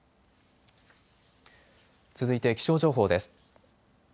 続いて気象情報です。